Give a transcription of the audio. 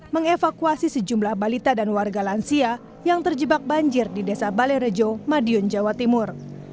mengevakuasi sejumlah balita dan warga lansia yang terjebak banjir di desa balerejo madiun jawa timur